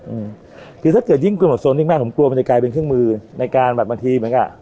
อืมคือถ้าเกิดยิ่งกลัวหมดโซนยิ่งมากผมกลัวมันจะกลายเป็นเครื่องมือในการแบบบางทีเหมือนกับ